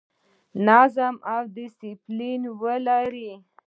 نظم او ډیسپلین ولرئ